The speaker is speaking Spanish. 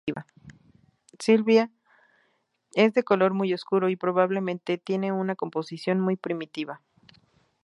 Sylvia es de color muy oscuro y probablemente tiene una composición muy primitiva.